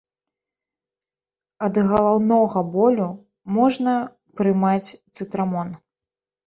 Ад галаўнога болю можна прымаць цытрамон.